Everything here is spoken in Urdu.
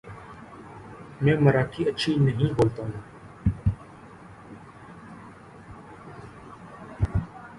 میں مراٹھی اچھی نہیں بولتا ہوں ـ